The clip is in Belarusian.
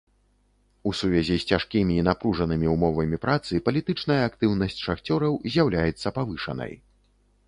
У сувязі з цяжкімі і напружанымі ўмовамі працы, палітычная актыўнасць шахцёраў з'яўляецца павышанай.